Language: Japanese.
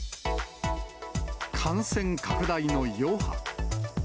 感染拡大の余波。